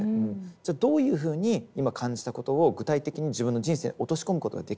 じゃあどういうふうに今感じたことを具体的に自分の人生に落とし込むことができるのか。